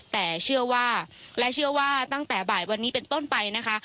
แต่เชื่อว่าและเชื่อว่าตั้งแต่บ่ายวันนี้เป็นต้นไปนะคะ